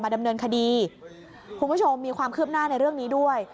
ดำเนินคดีคุณผู้ชมมีความคืบหน้าในเรื่องนี้ด้วย